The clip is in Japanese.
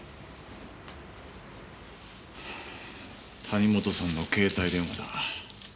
谷本さんの携帯電話だ。